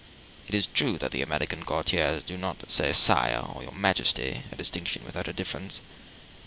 It is true that the American courtiers do not say "Sire," or "Your Majesty"—a distinction without a difference.